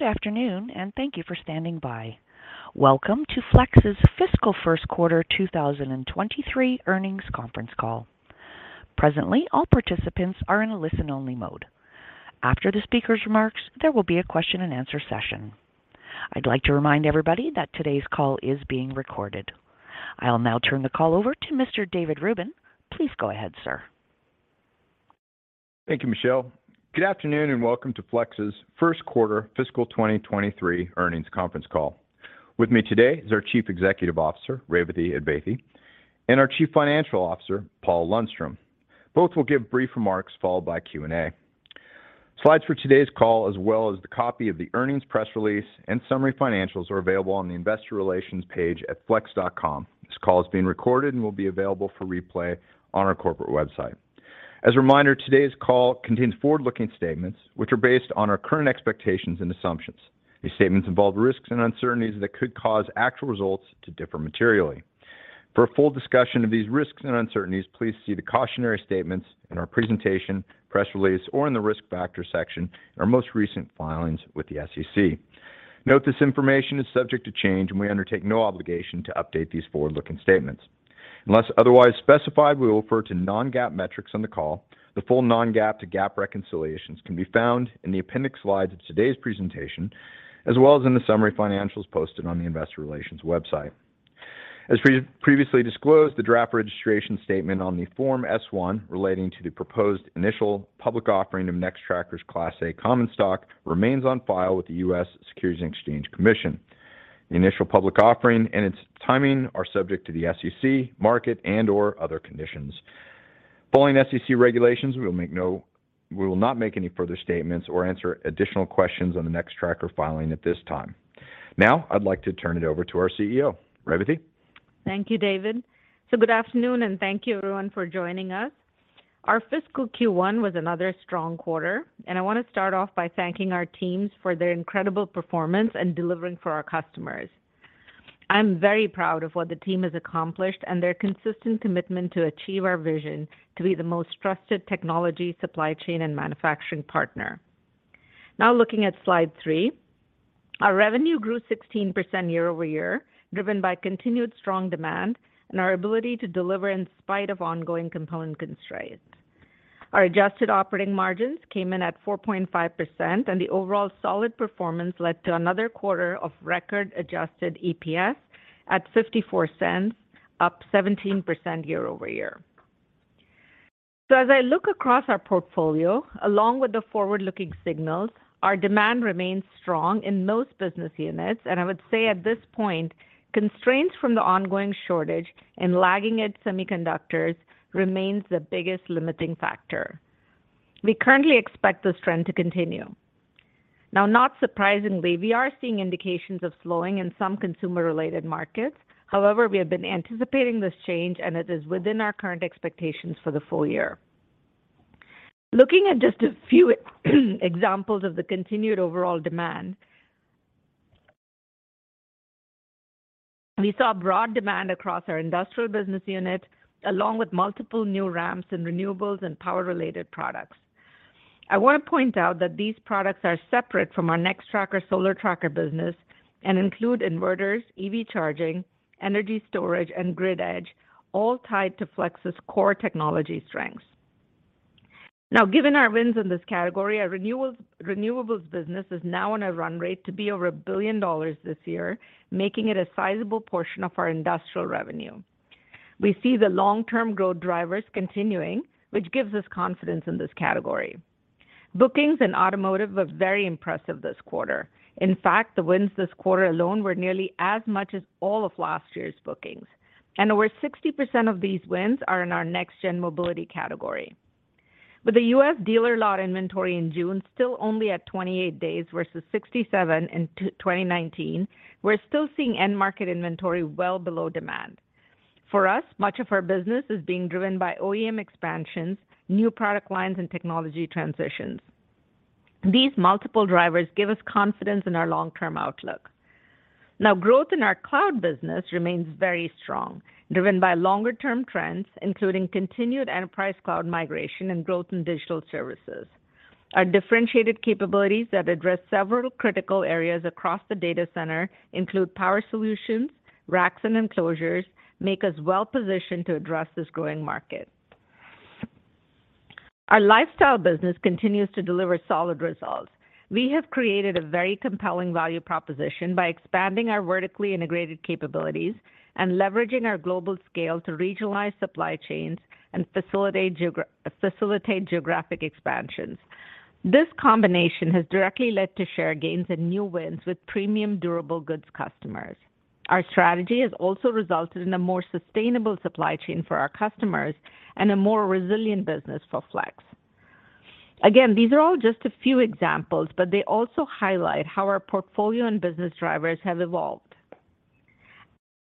Good afternoon, and thank you for standing by. Welcome to Flex's Fiscal First Quarter 2023 Earnings Conference Call. Presently, all participants are in a listen-only mode. After the speaker's remarks, there will be a question-and-answer session. I'd like to remind everybody that today's call is being recorded. I'll now turn the call over to Mr. David Rubin. Please go ahead, sir. Thank you, Michelle. Good afternoon, and welcome to Flex's first quarter fiscal 2023 earnings conference call. With me today is our Chief Executive Officer, Revathi Advaithi, and our Chief Financial Officer, Paul Lundstrom. Both will give brief remarks followed by Q&A. Slides for today's call, as well as the copy of the earnings press release and summary financials, are available on the investor relations page at flex.com. This call is being recorded and will be available for replay on our corporate website. As a reminder, today's call contains forward-looking statements which are based on our current expectations and assumptions. These statements involve risks and uncertainties that could cause actual results to differ materially. For a full discussion of these risks and uncertainties, please see the cautionary statements in our presentation, press release, or in the Risk Factors section in our most recent filings with the SEC. Note this information is subject to change, and we undertake no obligation to update these forward-looking statements. Unless otherwise specified, we will refer to non-GAAP metrics on the call. The full non-GAAP to GAAP reconciliations can be found in the appendix slides of today's presentation, as well as in the summary financials posted on the investor relations website. As previously disclosed, the draft registration statement on the Form S-1 relating to the proposed initial public offering of Nextracker's Class A common stock remains on file with the U.S. Securities and Exchange Commission. The initial public offering and its timing are subject to the SEC, market, and/or other conditions. Following SEC regulations, we will not make any further statements or answer additional questions on the Nextracker filing at this time. Now, I'd like to turn it over to our CEO. Revathi? Thank you, David. Good afternoon, and thank you everyone for joining us. Our fiscal Q1 was another strong quarter, and I want to start off by thanking our teams for their incredible performance in delivering for our customers. I'm very proud of what the team has accomplished and their consistent commitment to achieve our vision to be the most trusted technology supply chain and manufacturing partner. Now looking at slide three, our revenue grew 16% year-over-year, driven by continued strong demand and our ability to deliver in spite of ongoing component constraints. Our adjusted operating margins came in at 4.5%, and the overall solid performance led to another quarter of record adjusted EPS at $0.54, up 17% year-over-year. As I look across our portfolio, along with the forward-looking signals, our demand remains strong in most business units, and I would say at this point, constraints from the ongoing shortage and lagging in semiconductors remains the biggest limiting factor. We currently expect this trend to continue. Now, not surprisingly, we are seeing indications of slowing in some consumer-related markets. However, we have been anticipating this change, and it is within our current expectations for the full year. Looking at just a few examples of the continued overall demand, we saw broad demand across our industrial business unit, along with multiple new ramps in renewables and power-related products. I want to point out that these products are separate from our Nextracker solar tracker business and include inverters, EV charging, energy storage, and grid edge, all tied to Flex's core technology strengths. Now, given our wins in this category, our renewables business is now on a run rate to be over $1 billion this year, making it a sizable portion of our industrial revenue. We see the long-term growth drivers continuing, which gives us confidence in this category. Bookings in automotive were very impressive this quarter. In fact, the wins this quarter alone were nearly as much as all of last year's bookings, and over 60% of these wins are in our next-gen mobility category. With the U.S. dealer lot inventory in June still only at 28 days versus 67 in 2019, we're still seeing end market inventory well below demand. For us, much of our business is being driven by OEM expansions, new product lines, and technology transitions. These multiple drivers give us confidence in our long-term outlook. Now, growth in our cloud business remains very strong, driven by longer-term trends, including continued enterprise cloud migration and growth in digital services. Our differentiated capabilities that address several critical areas across the data center, include power solutions, racks and enclosures, make us well positioned to address this growing market. Our lifestyle business continues to deliver solid results. We have created a very compelling value proposition by expanding our vertically integrated capabilities and leveraging our global scale to regionalize supply chains and facilitate geographic expansions. This combination has directly led to share gains and new wins with premium durable goods customers. Our strategy has also resulted in a more sustainable supply chain for our customers and a more resilient business for Flex. Again, these are all just a few examples, but they also highlight how our portfolio and business drivers have evolved.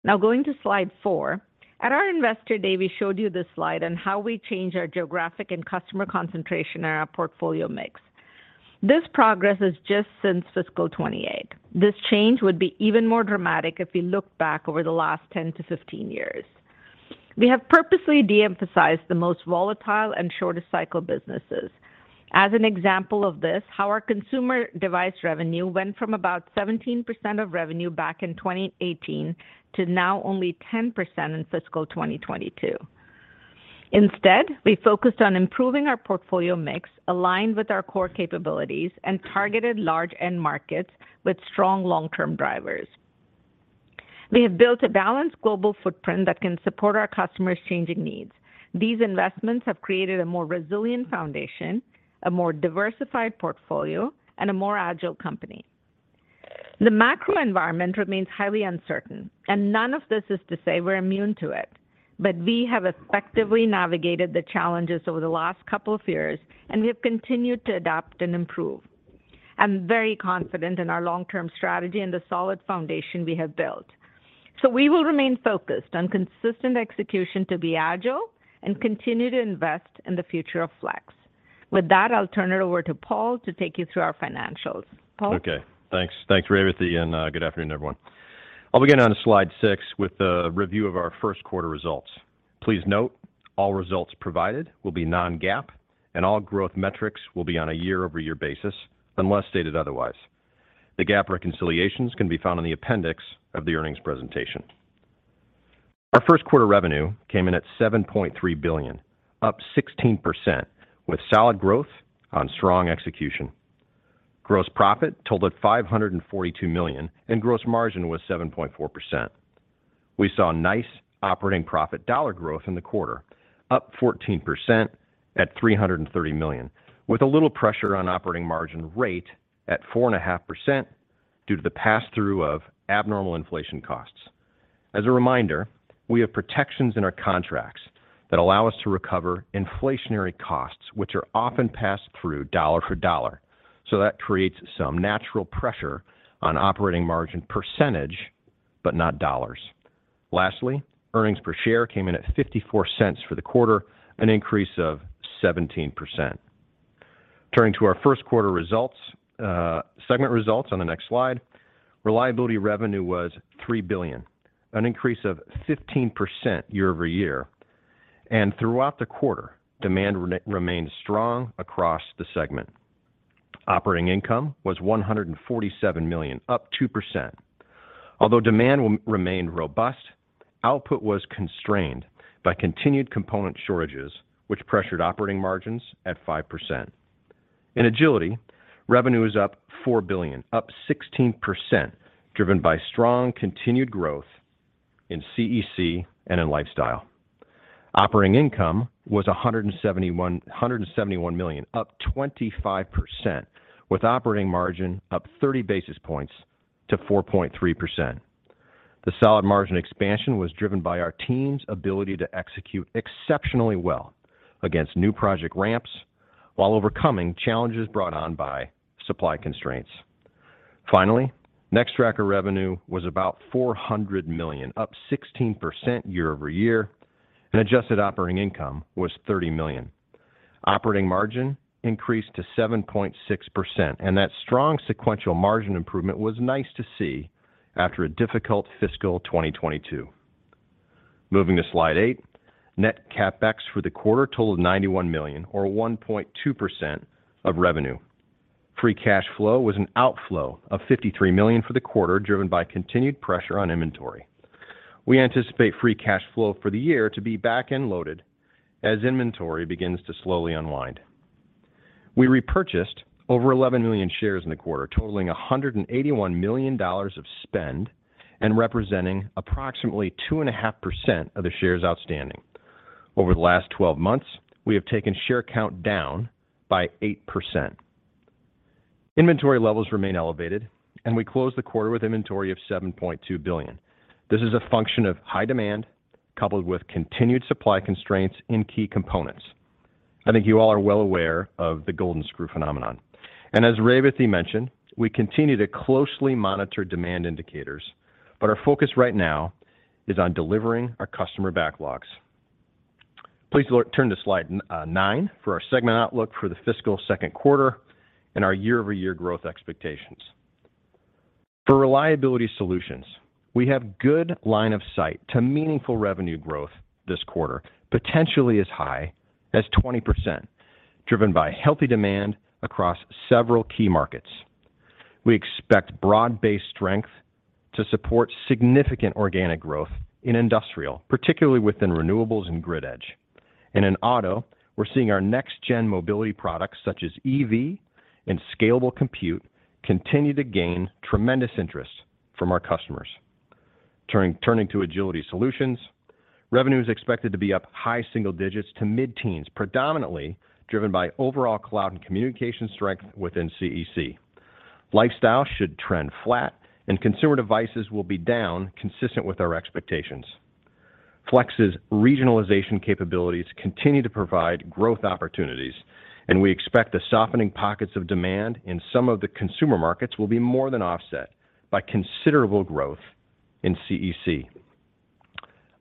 Now, going to slide four. At our Investor Day, we showed you this slide on how we changed our geographic and customer concentration in our portfolio mix. This progress is just since fiscal 2018. This change would be even more dramatic if we look back over the last 10-15 years. We have purposely de-emphasized the most volatile and shortest cycle businesses. As an example of this, how our consumer device revenue went from about 17% of revenue back in 2018 to now only 10% in fiscal 2022. Instead, we focused on improving our portfolio mix, aligned with our core capabilities and targeted large end markets with strong long-term drivers. We have built a balanced global footprint that can support our customers' changing needs. These investments have created a more resilient foundation, a more diversified portfolio, and a more agile company. The macro environment remains highly uncertain, and none of this is to say we're immune to it, but we have effectively navigated the challenges over the last couple of years, and we have continued to adapt and improve. I'm very confident in our long-term strategy and the solid foundation we have built. We will remain focused on consistent execution to be agile and continue to invest in the future of Flex. With that, I'll turn it over to Paul to take you through our financials. Paul. Okay. Thanks. Thanks, Revathi, and good afternoon, everyone. I'll begin on slide six with a review of our first quarter results. Please note all results provided will be non-GAAP, and all growth metrics will be on a year-over-year basis unless stated otherwise. The GAAP reconciliations can be found in the appendix of the earnings presentation. Our first quarter revenue came in at $7.3 billion, up 16% with solid growth on strong execution. Gross profit totaled $542 million, and gross margin was 7.4%. We saw nice operating profit dollar growth in the quarter, up 14% at $330 million, with a little pressure on operating margin rate at 4.5% due to the passthrough of abnormal inflation costs. As a reminder, we have protections in our contracts that allow us to recover inflationary costs, which are often passed through dollar for dollar, so that creates some natural pressure on operating margin percentage, but not dollars. Lastly, earnings per share came in at $0.54 for the quarter, an increase of 17%. Turning to our first quarter results, segment results on the next slide. Reliability revenue was $3 billion, an increase of 15% year-over-year. Throughout the quarter, demand remained strong across the segment. Operating income was $147 million, up 2%. Although demand remained robust, output was constrained by continued component shortages, which pressured operating margins at 5%. In Agility, revenue is up $4 billion, up 16%, driven by strong continued growth in CEC and in Lifestyle. Operating income was $171 million, up 25%, with operating margin up 30 basis points to 4.3%. The solid margin expansion was driven by our team's ability to execute exceptionally well against new project ramps while overcoming challenges brought on by supply constraints. Finally, Nextracker revenue was about $400 million, up 16% year-over-year, and adjusted operating income was $30 million. Operating margin increased to 7.6%, and that strong sequential margin improvement was nice to see after a difficult fiscal 2022. Moving to slide eight, net CapEx for the quarter totaled $91 million or 1.2% of revenue. Free cash flow was an outflow of $53 million for the quarter, driven by continued pressure on inventory. We anticipate free cash flow for the year to be back-end loaded as inventory begins to slowly unwind. We repurchased over 11 million shares in the quarter, totaling $181 million of spend and representing approximately 2.5% of the shares outstanding. Over the last 12 months, we have taken share count down by 8%. Inventory levels remain elevated, and we closed the quarter with inventory of $7.2 billion. This is a function of high demand coupled with continued supply constraints in key components. I think you all are well aware of the golden screw phenomenon. As Revathi mentioned, we continue to closely monitor demand indicators, but our focus right now is on delivering our customer backlogs. Please turn to slide nine for our segment outlook for the fiscal second quarter and our year-over-year growth expectations. For Reliability Solutions, we have good line of sight to meaningful revenue growth this quarter, potentially as high as 20%, driven by healthy demand across several key markets. We expect broad-based strength to support significant organic growth in industrial, particularly within renewables and grid edge. In auto, we're seeing our next-gen mobility products such as EV and scalable compute continue to gain tremendous interest from our customers. Turning to Agility Solutions, revenue is expected to be up high single digits to mid-teens, predominantly driven by overall cloud and communication strength within CEC. Lifestyle should trend flat, and consumer devices will be down consistent with our expectations. Flex's regionalization capabilities continue to provide growth opportunities, and we expect the softening pockets of demand in some of the consumer markets will be more than offset by considerable growth in CEC.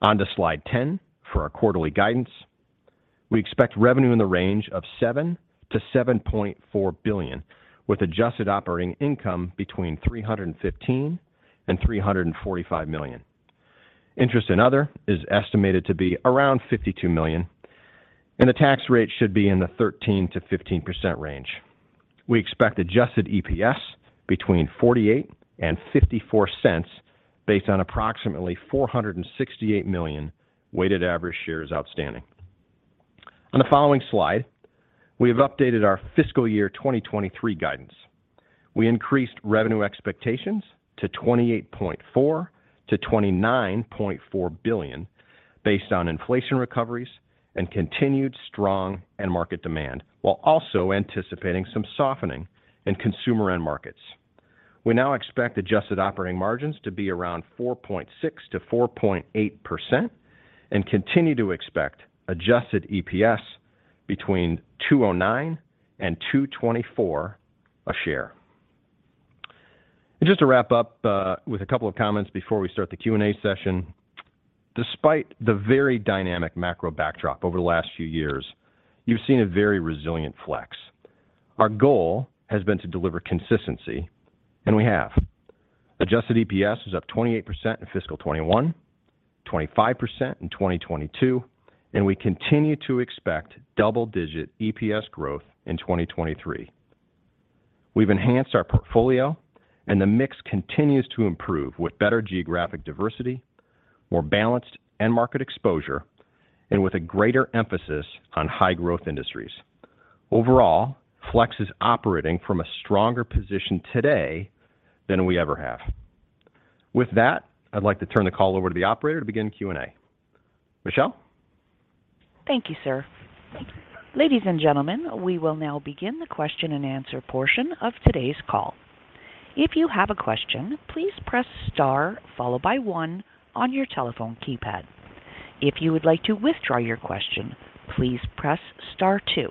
On to slide 10 for our quarterly guidance. We expect revenue in the range of $7-$7.4 billion, with adjusted operating income between $315-$345 million. Interest and other is estimated to be around $52 million, and the tax rate should be in the 13%-15% range. We expect adjusted EPS between $0.48-$0.54 based on approximately 468 million weighted average shares outstanding. On the following slide, we have updated our fiscal year 2023 guidance. We increased revenue expectations to $28.4-$29.4 billion based on inflation recoveries and continued strong end market demand, while also anticipating some softening in consumer end markets. We now expect adjusted operating margins to be around 4.6%-4.8% and continue to expect adjusted EPS between $2.09 and $2.24 a share. Just to wrap up with a couple of comments before we start the Q&A session. Despite the very dynamic macro backdrop over the last few years, you've seen a very resilient Flex. Our goal has been to deliver consistency, and we have. Adjusted EPS is up 28% in fiscal 2021, 25% in 2022, and we continue to expect double-digit EPS growth in 2023. We've enhanced our portfolio, and the mix continues to improve with better geographic diversity, more balanced end market exposure, and with a greater emphasis on high growth industries. Overall, Flex is operating from a stronger position today than we ever have. With that, I'd like to turn the call over to the operator to begin Q&A. Michelle? Thank you, sir. Ladies and gentlemen, we will now begin the question-and-answer portion of today's call. If you have a question, please press star followed by one on your telephone keypad. If you would like to withdraw your question, please press star two.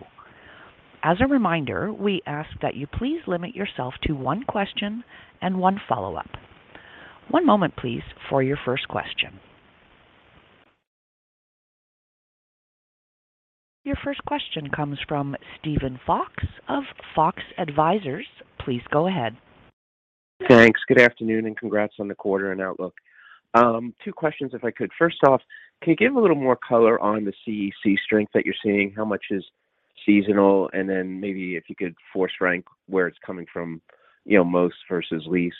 As a reminder, we ask that you please limit yourself to one question and one follow-up. One moment please, for your first question. Your first question comes from Steven Fox of Fox Advisors. Please go ahead. Thanks. Good afternoon, and congrats on the quarter and outlook. Two questions if I could. First off, can you give a little more color on the CEC strength that you're seeing? How much is seasonal? And then maybe if you could force rank where it's coming from, you know, most versus least,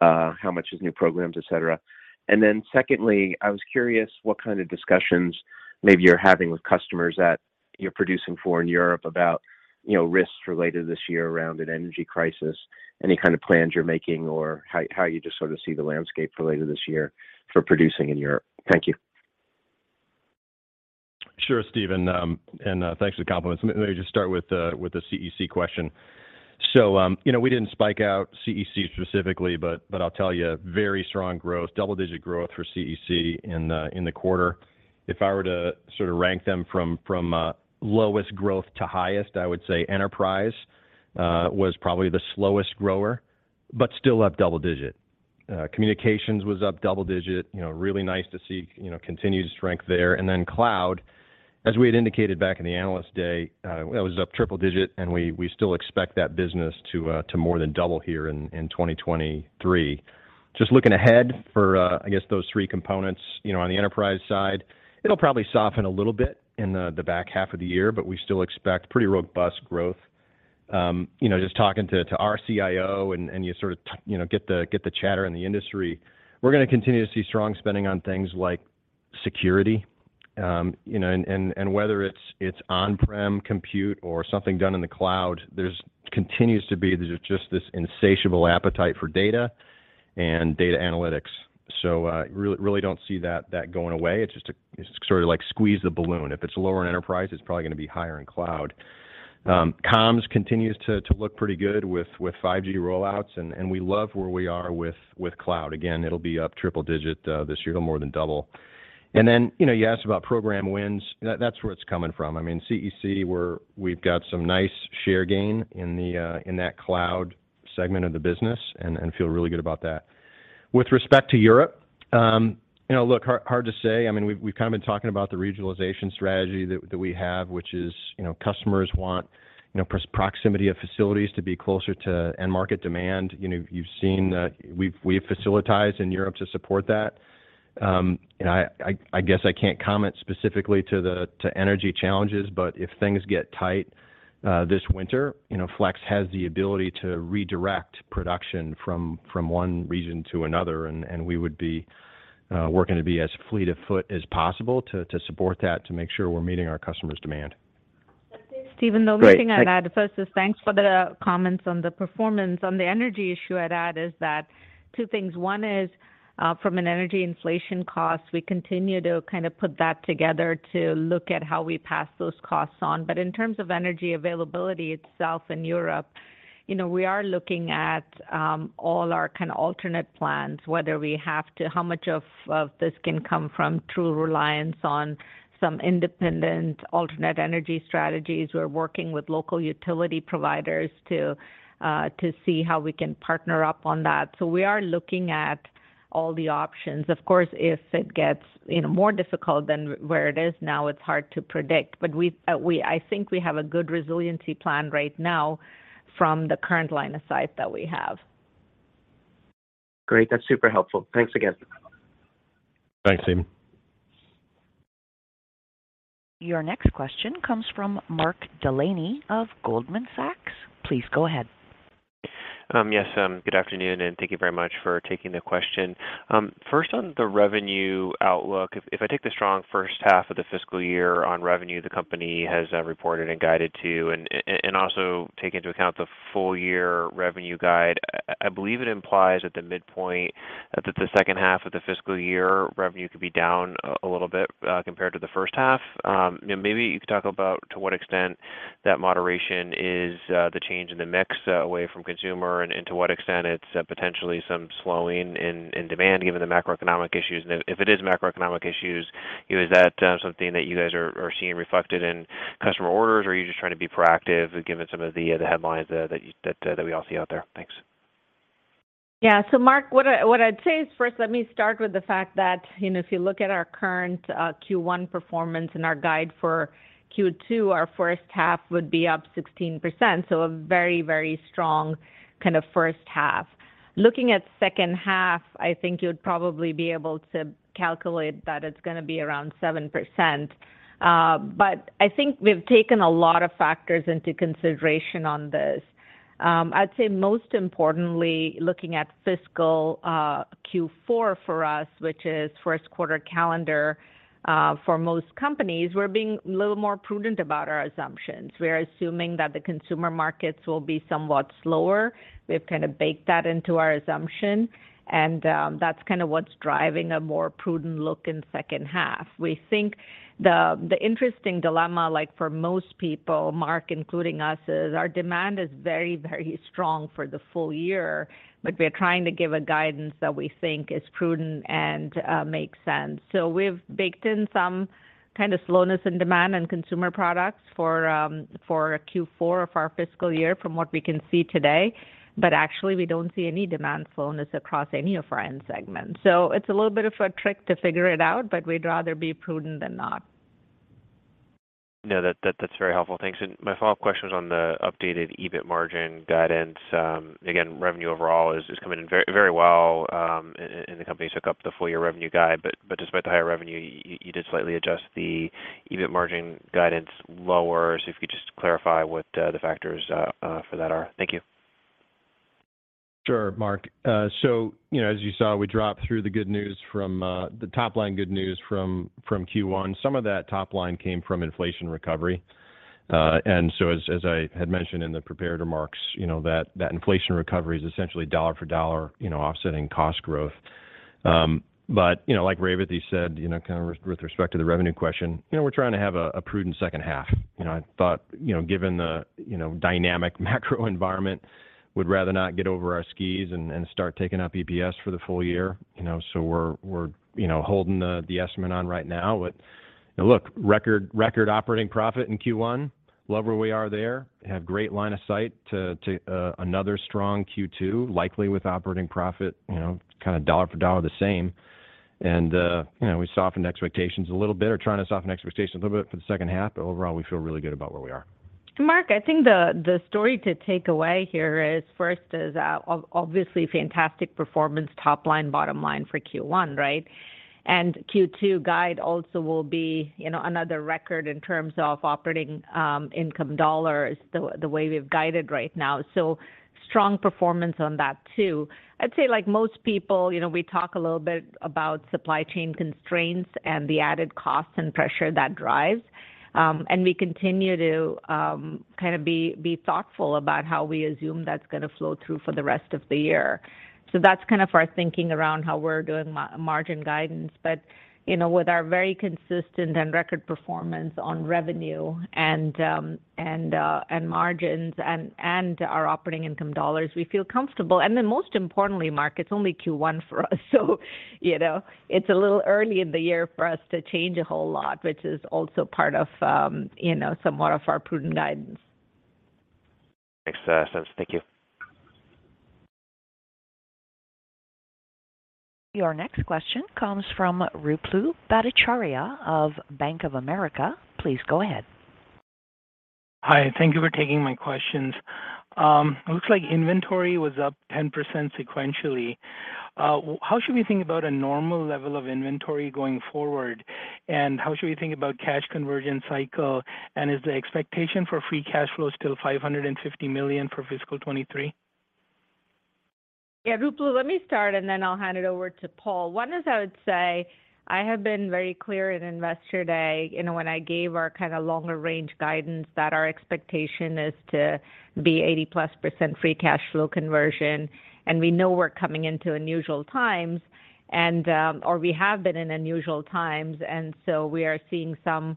how much is new programs, et cetera. And then secondly, I was curious what kind of discussions maybe you're having with customers that you're producing for in Europe about, you know, risks related this year around an energy crisis, any kind of plans you're making or how you just sort of see the landscape related this year for producing in Europe. Thank you. Sure, Steven. Thanks for the compliments. Let me just start with the CEC question. You know, we didn't spike out CEC specifically, but I'll tell you very strong growth, double-digit growth for CEC in the quarter. If I were to sort of rank them from lowest growth to highest, I would say enterprise was probably the slowest grower, but still up double digit. Communications was up double digit, you know, really nice to see, you know, continued strength there. Cloud, as we had indicated back in the Analyst Day, it was up triple digit, and we still expect that business to more than double here in 2023. Just looking ahead for, I guess those three components, you know, on the enterprise side, it'll probably soften a little bit in the back half of the year, but we still expect pretty robust growth. You know, just talking to our CIO and you sort of you know get the chatter in the industry, we're gonna continue to see strong spending on things like security. You know, and whether it's on-prem compute or something done in the cloud, there continues to be just this insatiable appetite for data and data analytics. Really don't see that going away. It's just a sort of like squeeze the balloon. If it's lower in enterprise, it's probably gonna be higher in cloud. Comms continues to look pretty good with 5G rollouts, and we love where we are with cloud. Again, it'll be up triple-digit this year. It'll more than double. You know, you asked about program wins. That's where it's coming from. I mean, CEC, we've got some nice share gain in that cloud segment of the business and feel really good about that. With respect to Europe, you know, look, hard to say. I mean, we've kinda been talking about the regionalization strategy that we have, which is, you know, customers want proximity of facilities to be closer to end market demand. You know, you've seen that we've facilitized in Europe to support that. You know, I guess I can't comment specifically to the energy challenges, but if things get tight this winter, you know, Flex has the ability to redirect production from one region to another, and we would be working to be as fleet of foot as possible to support that to make sure we're meeting our customers' demand. Thanks, Steven. Great. The only thing I'd add first is thanks for the comments on the performance. On the energy issue I'd add is that two things. One is from an energy inflation cost, we continue to kind of put that together to look at how we pass those costs on. In terms of energy availability itself in Europe, you know, we are looking at all our kind of alternate plans, how much of this can come from true reliance on some independent alternate energy strategies. We're working with local utility providers to see how we can partner up on that. We are looking at all the options. Of course, if it gets, you know, more difficult than where it is now, it's hard to predict. I think we have a good resiliency plan right now from the current line of sight that we have. Great. That's super helpful. Thanks again. Thanks, Steven. Your next question comes from Mark Delaney of Goldman Sachs. Please go ahead. Yes, good afternoon, and thank you very much for taking the question. First on the revenue outlook, if I take the strong first half of the fiscal year on revenue the company has reported and guided to, and also take into account the full year revenue guide, I believe it implies at the midpoint that the second half of the fiscal year revenue could be down a little bit compared to the first half. You know, maybe you could talk about to what extent that moderation is the change in the mix away from consumer and to what extent it's potentially some slowing in demand given the macroeconomic issues. If it is macroeconomic issues, you know, is that something that you guys are seeing reflected in customer orders? Are you just trying to be proactive given some of the headlines that we all see out there? Thanks. Yeah. Mark, what I'd say is first let me start with the fact that, you know, if you look at our current Q1 performance and our guide for Q2, our first half would be up 16%, so a very, very strong kind of first half. Looking at second half, I think you'd probably be able to calculate that it's gonna be around 7%. I think we've taken a lot of factors into consideration on this. I'd say most importantly, looking at fiscal Q4 for us, which is first quarter calendar for most companies, we're being a little more prudent about our assumptions. We're assuming that the consumer markets will be somewhat slower. We've kind of baked that into our assumption, and that's kinda what's driving a more prudent look in second half. We think the interesting dilemma, like for most people, Mark, including us, is our demand is very, very strong for the full year, but we're trying to give a guidance that we think is prudent and makes sense. We've baked in some kind of slowness in demand and consumer products for Q4 of our fiscal year from what we can see today. Actually we don't see any demand slowness across any of our end segments. It's a little bit of a trick to figure it out, but we'd rather be prudent than not. No, that's very helpful. Thanks. My follow-up question is on the updated EBIT margin guidance. Again, revenue overall is coming in very, very well, and the company took up the full year revenue guide. Despite the higher revenue, you did slightly adjust the EBIT margin guidance lower. If you could just clarify what the factors for that are. Thank you. Sure, Mark. So you know, as you saw, we walked through the good news from the top line from Q1. Some of that top line came from inflation recovery. As I had mentioned in the prepared remarks, you know, that inflation recovery is essentially dollar for dollar, you know, offsetting cost growth. You know, like Revathi said, you know, kind of with respect to the revenue question, you know, we're trying to have a prudent second half. You know, I thought, you know, given the dynamic macro environment, would rather not get over our skis and start taking up EPS for the full year. You know, we're holding the estimate on right now. Look, record operating profit in Q1. Love where we are there. have great line of sight to another strong Q2, likely with operating profit, you know, kinda dollar for dollar the same. You know, we softened expectations a little bit or trying to soften expectations a little bit for the second half, but overall we feel really good about where we are. Mark, I think the story to take away here is first obviously fantastic performance top line, bottom line for Q1, right? Q2 guide also will be, you know, another record in terms of operating income dollars, the way we've guided right now. Strong performance on that too. I'd say like most people, you know, we talk a little bit about supply chain constraints and the added costs and pressure that drives. And we continue to kind of be thoughtful about how we assume that's gonna flow through for the rest of the year. That's kind of our thinking around how we're doing margin guidance. You know, with our very consistent and record performance on revenue and margins and our operating income dollars, we feel comfortable. Most importantly, Mark, it's only Q1 for us. So, you know, it's a little early in the year for us to change a whole lot, which is also part of, you know, somewhat of our prudent guidance. Makes sense. Thank you. Your next question comes from Ruplu Bhattacharya of Bank of America. Please go ahead. Hi, thank you for taking my questions. Looks like inventory was up 10% sequentially. How should we think about a normal level of inventory going forward? How should we think about cash conversion cycle? Is the expectation for free cash flow still $550 million for fiscal 2023? Yeah, Ruplu, let me start, and then I'll hand it over to Paul. One is I would say I have been very clear in Investor Day, you know, when I gave our kind of longer range guidance that our expectation is to be 80%+ free cash flow conversion. We know we're coming into unusual times and, or we have been in unusual times, and so we are seeing some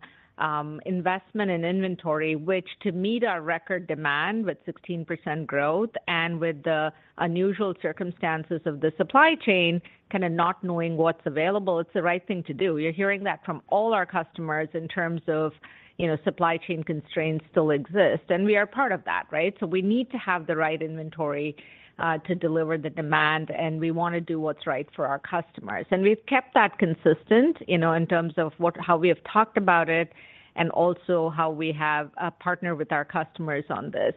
investment in inventory, which to meet our record demand with 16% growth and with the unusual circumstances of the supply chain, kinda not knowing what's available, it's the right thing to do. You're hearing that from all our customers in terms of, you know, supply chain constraints still exist, and we are part of that, right? We need to have the right inventory to deliver the demand, and we wanna do what's right for our customers. We've kept that consistent, you know, in terms of how we have talked about it and also how we have partnered with our customers on this.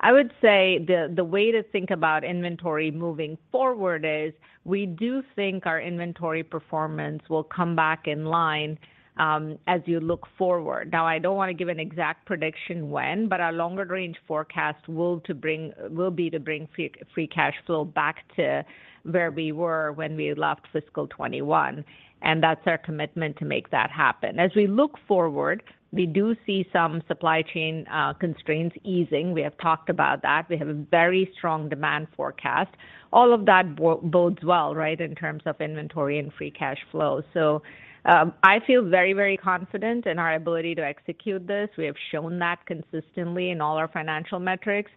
I would say the way to think about inventory moving forward is we do think our inventory performance will come back in line as you look forward. Now, I don't wanna give an exact prediction when, but our longer range forecast will be to bring free cash flow back to where we were when we left fiscal 2021, and that's our commitment to make that happen. As we look forward, we do see some supply chain constraints easing. We have talked about that. We have a very strong demand forecast. All of that bodes well, right, in terms of inventory and free cash flow. I feel very, very confident in our ability to execute this. We have shown that consistently in all our financial metrics,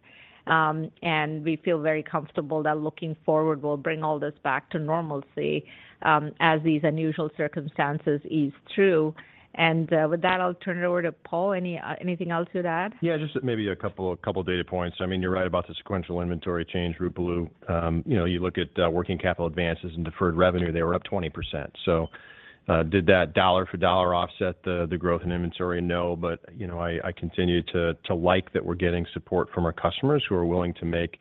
and we feel very comfortable that looking forward, we'll bring all this back to normalcy, as these unusual circumstances ease through. With that, I'll turn it over to Paul. Anything else to add? Yeah, just maybe a couple data points. I mean, you're right about the sequential inventory change, Ruplu. You know, you look at working capital advances and deferred revenue, they were up 20%. Did that dollar for dollar offset the growth in inventory? No. You know, I continue to like that we're getting support from our customers who are willing to make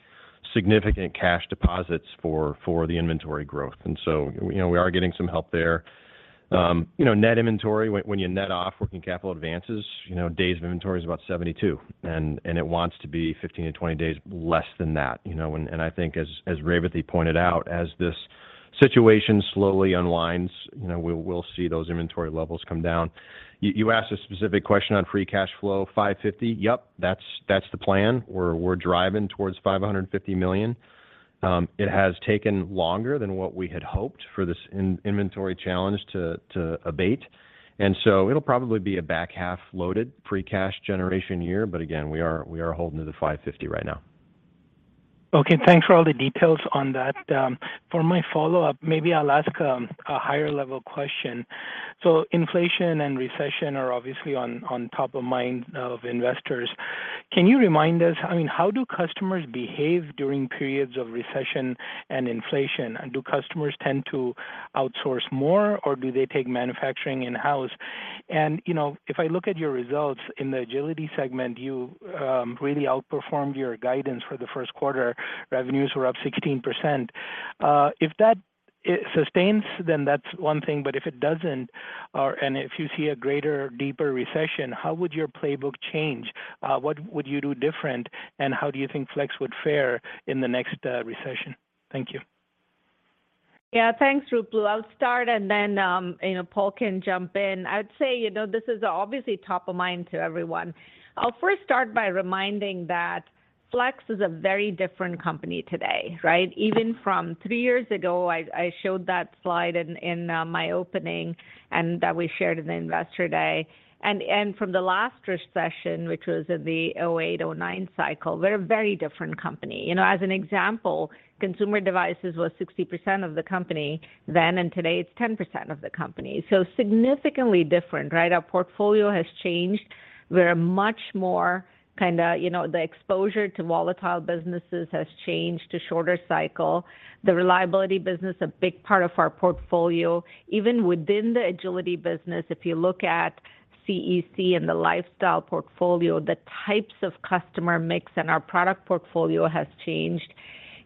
significant cash deposits for the inventory growth. You know, we are getting some help there. You know, net inventory, when you net off working capital advances, days of inventory is about 72, and it wants to be 15-20 days less than that, you know. I think as Revathi pointed out, as this situation slowly unwinds, you know, we'll see those inventory levels come down. You asked a specific question on free cash flow, $550 million. Yep, that's the plan. We're driving towards $550 million. It has taken longer than what we had hoped for this inventory challenge to abate. It'll probably be a back half loaded free cash generation year, but again, we are holding to the $550 million right now. Okay. Thanks for all the details on that. For my follow-up, maybe I'll ask a higher level question. Inflation and recession are obviously on top of mind of investors. Can you remind us, I mean, how do customers behave during periods of recession and inflation? Do customers tend to outsource more, or do they take manufacturing in-house? You know, if I look at your results in the Agility segment, you really outperformed your guidance for the first quarter. Revenues were up 16%. If that sustains, then that's one thing, but if it doesn't, and if you see a greater, deeper recession, how would your playbook change? What would you do different, and how do you think Flex would fare in the next recession? Thank you. Yeah. Thanks, Ruplu. I'll start, and then, you know, Paul can jump in. I'd say, you know, this is obviously top of mind to everyone. I'll first start by reminding that Flex is a very different company today, right? Even from three years ago, I showed that slide in my opening and that we shared in the Investor Day. From the last recession, which was in the 2008, 2009 cycle, we're a very different company. You know, as an example, consumer devices was 60% of the company then, and today it's 10% of the company. So significantly different, right? Our portfolio has changed. We're much more kinda, you know, the exposure to volatile businesses has changed to shorter cycle. The Reliability business, a big part of our portfolio. Even within the Agility business, if you look at CEC and the Lifestyle portfolio, the types of customer mix and our product portfolio has changed.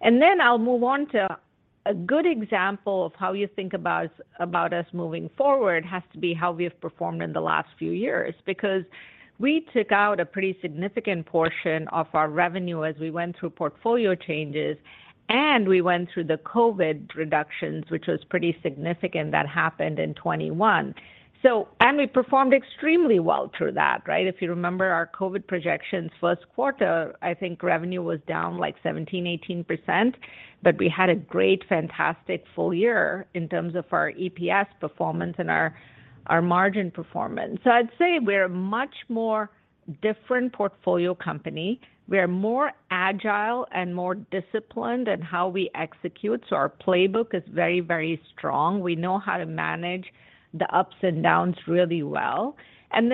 Then I'll move on to a good example of how you think about us moving forward has to be how we have performed in the last few years, because we took out a pretty significant portion of our revenue as we went through portfolio changes, and we went through the COVID reductions, which was pretty significant. That happened in 2021. We performed extremely well through that, right? If you remember our COVID projections first quarter, I think revenue was down, like, 17%-18%, but we had a great, fantastic full year in terms of our EPS performance and our margin performance. I'd say we're a much more different portfolio company. We are more agile and more disciplined in how we execute, so our playbook is very, very strong. We know how to manage the ups and downs really well.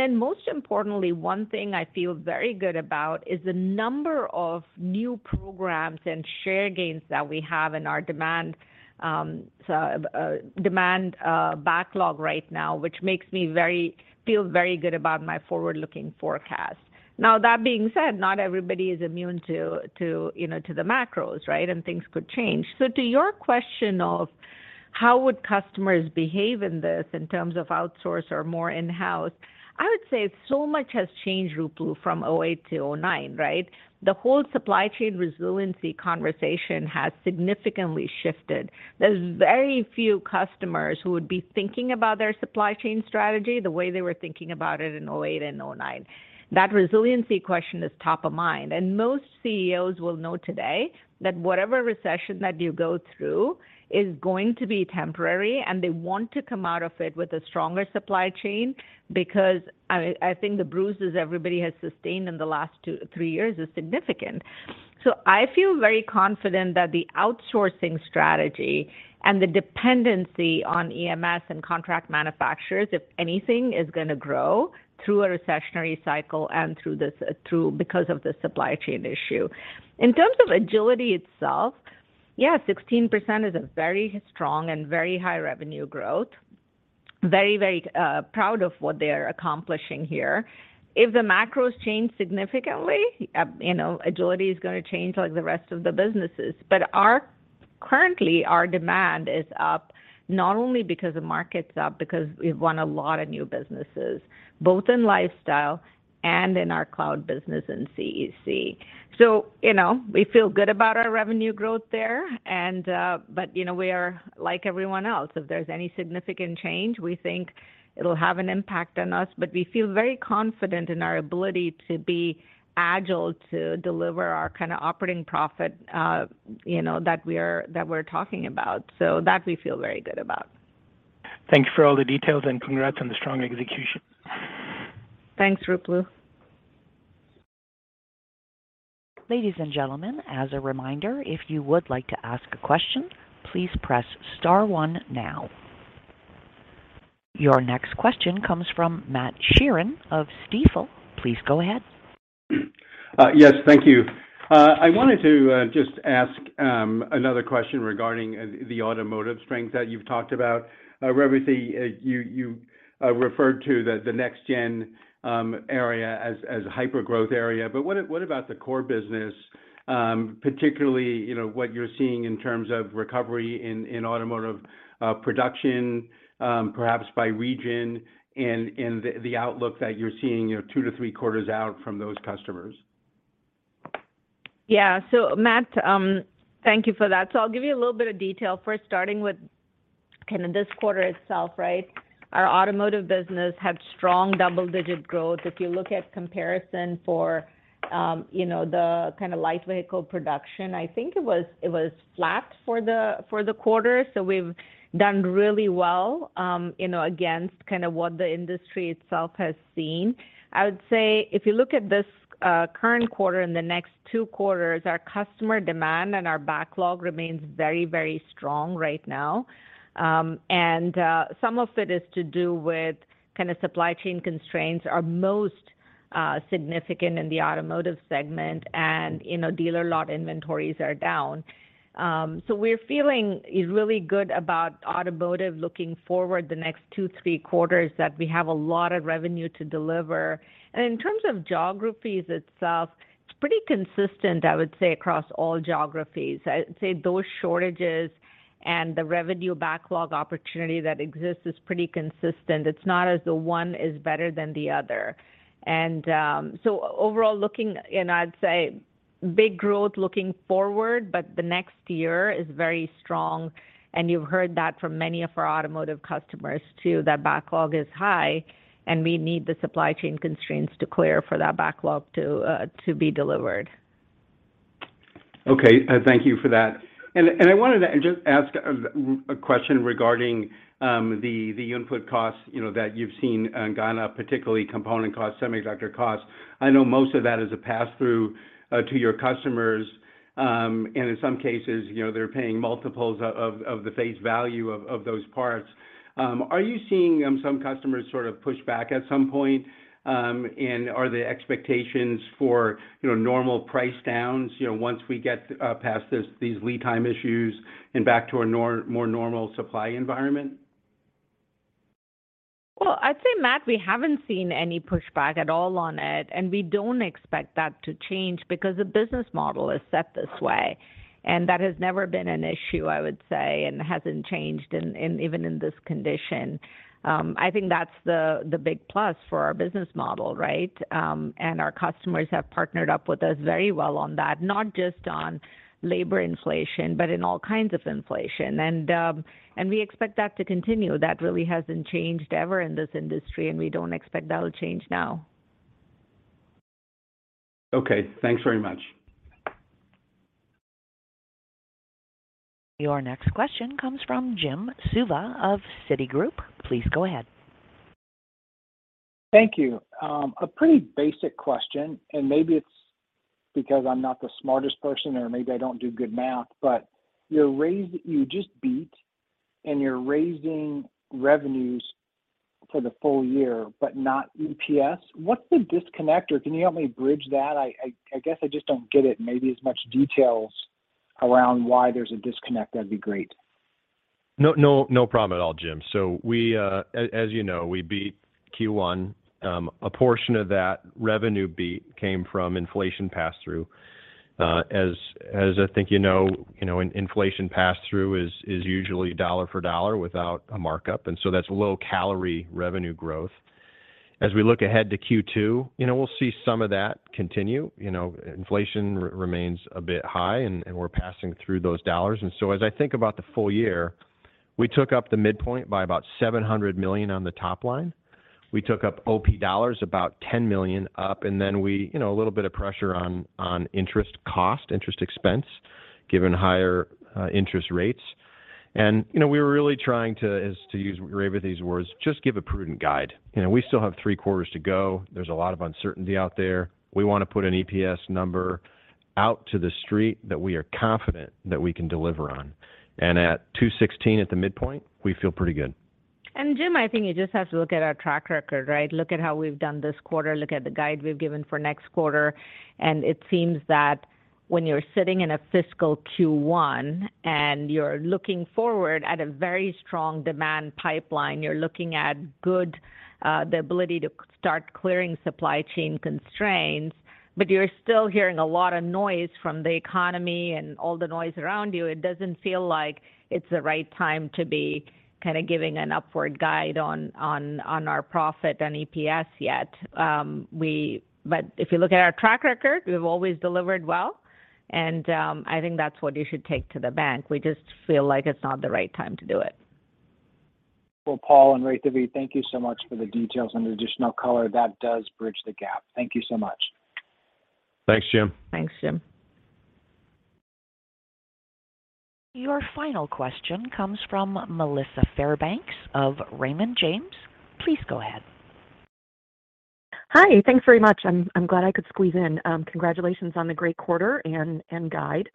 Most importantly, one thing I feel very good about is the number of new programs and share gains that we have in our demand backlog right now, which makes me feel very good about my forward-looking forecast. Now, that being said, not everybody is immune to the macros, right? Things could change. To your question of how would customers behave in this in terms of outsourcing or more in-house? I would say so much has changed, Ruplu, from 2008 to 2009, right? The whole supply chain resiliency conversation has significantly shifted. There's very few customers who would be thinking about their supply chain strategy the way they were thinking about it in 2008 and 2009. That resiliency question is top of mind, and most CEOs will know today that whatever recession that you go through is going to be temporary, and they want to come out of it with a stronger supply chain because I think the bruises everybody has sustained in the last two, three years is significant. I feel very confident that the outsourcing strategy and the dependency on EMS and contract manufacturers, if anything, is going to grow through a recessionary cycle and through this because of the supply chain issue. In terms of Agility itself, yeah, 16% is a very strong and very high revenue growth. Very proud of what they are accomplishing here. If the macros change significantly, you know, Agility is gonna change like the rest of the businesses. Currently, our demand is up, not only because the market's up, because we've won a lot of new businesses, both in Lifestyle and in our cloud business and CEC. You know, we feel good about our revenue growth there and, but, you know, we are like everyone else. If there's any significant change, we think it'll have an impact on us. We feel very confident in our ability to be agile to deliver our kinda operating profit, you know, that we're talking about that we feel very good about. Thank you for all the details and congrats on the strong execution. Thanks, Ruplu. Ladies and gentlemen, as a reminder, if you would like to ask a question, please press star one now. Your next question comes from Matt Sheerin of Stifel. Please go ahead. Yes, thank you. I wanted to just ask another question regarding the automotive strength that you've talked about. You referred to the next gen area as a hyper-growth area. But what about the core business, particularly, you know, what you're seeing in terms of recovery in automotive production, perhaps by region and the outlook that you're seeing, you know, two to three quarters out from those customers? Yeah. Matt, thank you for that. I'll give you a little bit of detail first, starting with kind of this quarter itself, right? Our automotive business had strong double-digit growth. If you look at comparison for, you know, the kinda light vehicle production, I think it was flat for the quarter. We've done really well, you know, against kinda what the industry itself has seen. I would say if you look at this current quarter and the next two quarters, our customer demand and our backlog remains very, very strong right now. Some of it is to do with kinda supply chain constraints are most significant in the automotive segment, and, you know, dealer lot inventories are down. We're feeling really good about automotive looking forward the next two, three quarters, that we have a lot of revenue to deliver. In terms of geographies itself, it's pretty consistent, I would say, across all geographies. I'd say those shortages and the revenue backlog opportunity that exists is pretty consistent. It's not that one is better than the other. Overall looking, and I'd say big growth looking forward, but the next year is very strong, and you've heard that from many of our automotive customers, too, that backlog is high, and we need the supply chain constraints to clear for that backlog to be delivered. Okay. Thank you for that. I wanted to just ask a question regarding the input costs, you know, that you've seen gone up, particularly component costs, semiconductor costs. I know most of that is a pass-through to your customers, and in some cases, you know, they're paying multiples of the face value of those parts. Are you seeing some customers sort of push back at some point, and are the expectations for normal price downs, you know, once we get past these lead time issues and back to a more normal supply environment? Well, I'd say, Matt, we haven't seen any pushback at all on it, and we don't expect that to change because the business model is set this way, and that has never been an issue, I would say, and hasn't changed in even this condition. I think that's the big plus for our business model, right? Our customers have partnered up with us very well on that, not just on labor inflation, but in all kinds of inflation. We expect that to continue. That really hasn't changed ever in this industry, and we don't expect that'll change now. Okay. Thanks very much. Your next question comes from Jim Suva of Citigroup. Please go ahead. Thank you. A pretty basic question, and maybe it's because I'm not the smartest person, or maybe I don't do good math, but you're raising. You just beat, and you're raising revenues for the full year but not EPS. What's the disconnect, or can you help me bridge that? I guess I just don't get it. Maybe as much details around why there's a disconnect, that'd be great. No, no problem at all, Jim. We, as you know, we beat Q1. A portion of that revenue beat came from inflation pass-through. As I think you know, inflation pass-through is usually dollar for dollar without a markup, and so that's low-calorie revenue growth. As we look ahead to Q2, you know, we'll see some of that continue. You know, inflation remains a bit high and we're passing through those dollars. As I think about the full year, we took up the midpoint by about $700 million on the top line. We took up OP dollars about $10 million up, and then you know, a little bit of pressure on interest expense given higher interest rates. You know, we're really trying to use, Revathi, these words to just give a prudent guide. You know, we still have three quarters to go. There's a lot of uncertainty out there. We wanna put an EPS number out to the street that we are confident that we can deliver on. At $2.16 at the midpoint, we feel pretty good. Jim, I think you just have to look at our track record, right? Look at how we've done this quarter, look at the guide we've given for next quarter, and it seems that when you're sitting in a fiscal Q1 and you're looking forward at a very strong demand pipeline, you're looking at good, the ability to start clearing supply chain constraints, but you're still hearing a lot of noise from the economy and all the noise around you, it doesn't feel like it's the right time to be kinda giving an upward guide on our profit and EPS yet. If you look at our track record, we've always delivered well. I think that's what you should take to the bank. We just feel like it's not the right time to do it. Well, Paul and Revathi, thank you so much for the details and the additional color. That does bridge the gap. Thank you so much. Thanks, Jim. Thanks, Jim. Your final question comes from Melissa Fairbanks of Raymond James. Please go ahead. Hi. Thanks very much. I'm glad I could squeeze in. Congratulations on the great quarter and guide.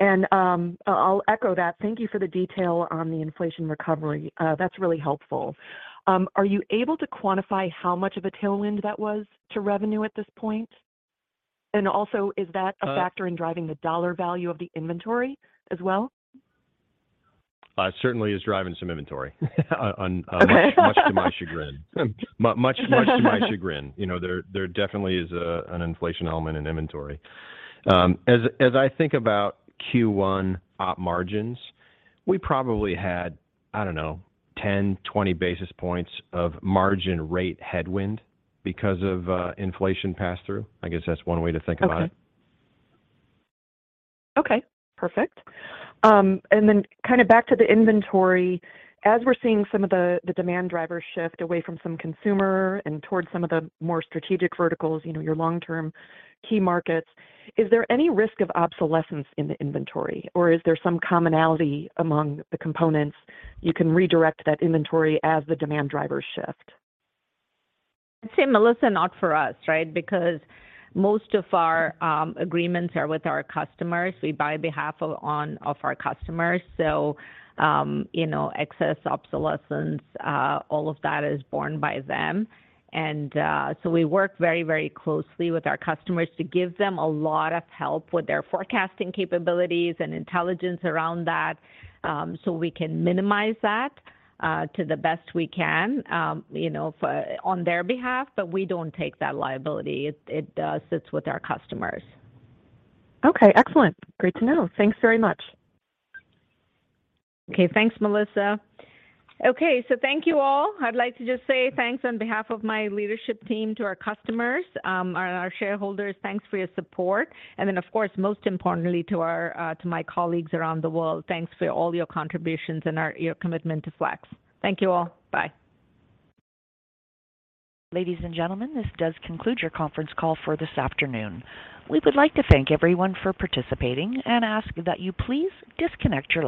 I'll echo that. Thank you for the detail on the inflation recovery. That's really helpful. Are you able to quantify how much of a tailwind that was to revenue at this point? Is that- Uh- a factor in driving the US dollar value of the inventory as well? Certainly is driving some inventory on. Okay Much to my chagrin. You know, there definitely is an inflation element in inventory. As I think about Q1 op margins, we probably had, I don't know, 10-20 basis points of margin rate headwind because of inflation pass-through. I guess that's one way to think about it. Okay. Okay, perfect. Kinda back to the inventory. As we're seeing some of the demand drivers shift away from some consumer and towards some of the more strategic verticals, you know, your long-term key markets, is there any risk of obsolescence in the inventory, or is there some commonality among the components you can redirect that inventory as the demand drivers shift? I'd say, Melissa, not for us, right? Because most of our agreements are with our customers. We buy on behalf of our customers. You know, excess obsolescence, all of that is borne by them. We work very, very closely with our customers to give them a lot of help with their forecasting capabilities and intelligence around that, so we can minimize that to the best we can, you know, on their behalf, but we don't take that liability. It sits with our customers. Okay, excellent. Great to know. Thanks very much. Thanks, Melissa. Thank you all. I'd like to just say thanks on behalf of my leadership team to our customers, our shareholders. Thanks for your support. Of course, most importantly to my colleagues around the world, thanks for all your contributions and your commitment to Flex. Thank you all. Bye. Ladies and gentlemen, this does conclude your conference call for this afternoon. We would like to thank everyone for participating and ask that you please disconnect your-